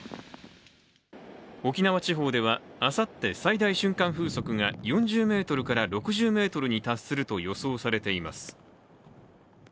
沖縄地方では、あさって最大瞬間風速が４０６０メートルに達すると予想されています。